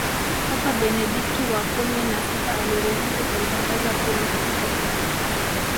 Papa Benedikto wa kumi na sita aliruhusu kumtangaza kuwa mtakatifu